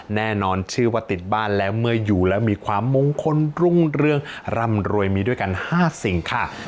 แน่นอนชื่อว่าติดบ้านแล้วเมื่ออยู่แล้วมีความมงคลรุ่งเรื่องร่ำรวยมีด้วยกัน๕สิ่งค่ะ